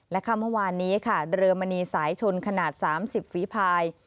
และค่ำเมื่อวานนี้ค่ะเรือมณีสายชนขนาด๓๐ฝีภาย